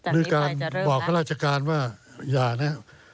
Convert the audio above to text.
หรือการบอกธรรมจิการว่าย่าน่ะ